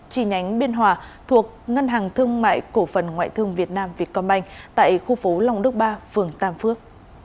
chi nhánh biên hòa thuộc ngân hàng thương mại cổ phần ngoại thương việt nam vietcombank tại khu phố long đức ba phường tam phước